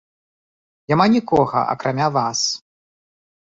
Няма нікога, акрамя вас.